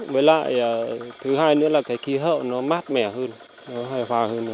với lại thứ hai nữa là cái khí hậu nó mát mẻ hơn nó hài hòa hơn